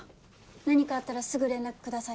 何かあったらすぐ連絡ください。